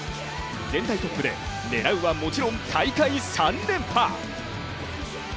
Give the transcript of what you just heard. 全体トップで狙うはもちろん大会３連覇。